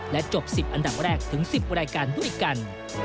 จบ๑๐อันดับแรกถึง๑๐รายการด้วยกัน